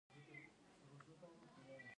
افغانستان کې د آب وهوا د پرمختګ هڅې روانې دي.